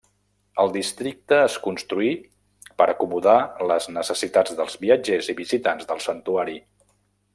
El districte es construí per acomodar les necessitats dels viatgers i visitants del santuari.